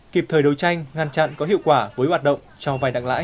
kịp thời đấu tranh ngăn chặn có hiệu quả với hoạt động cho vai nặng lãi